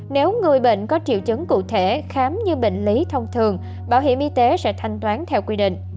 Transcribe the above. nếu người bệnh có triệu chứng cụ thể khám như bệnh lý thông thường bảo hiểm y tế sẽ thanh toán theo quy định